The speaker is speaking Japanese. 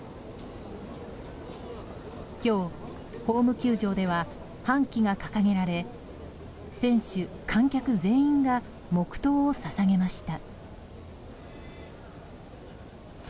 今日、ホーム球場では半旗が掲げられ選手、観客全員が黙祷を捧げました。